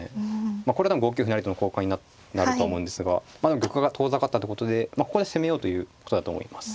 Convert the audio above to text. これは多分５九歩成との交換になるとは思うんですがまあでも玉が遠ざかったってことでここで攻めようということだと思います。